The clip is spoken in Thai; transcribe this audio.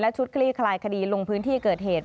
ชุดคลี่คลายคดีลงพื้นที่เกิดเหตุ